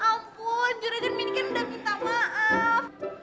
ampun juragan mini kan udah minta maaf